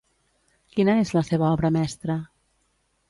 Quina és la seva obra mestra?